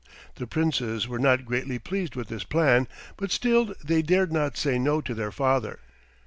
The Princes were not greatly pleased with this plan, but still they dared not say no to their father.